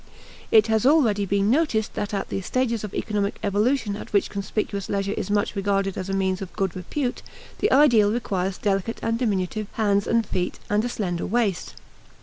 It has already been noticed that at the stages of economic evolution at which conspicuous leisure is much regarded as a means of good repute, the ideal requires delicate and diminutive hands and feet and a slender waist.